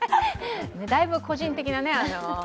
だいぶ個人的なね。